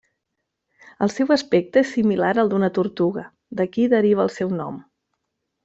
El seu aspecte és similar al d'una tortuga, d'aquí deriva el seu nom.